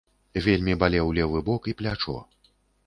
Вельмі балеў левы бок і плячо.